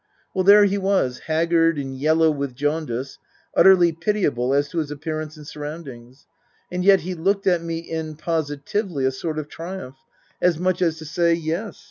Well, there he was, haggard and yellow with jaundice, utterly pitiable as to his appearance and surroundings ; and yet he looked at me in, positively, a sort of triumph, as much as to say ;" Yes.